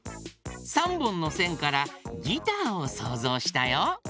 ３ぼんのせんからギターをそうぞうしたよ。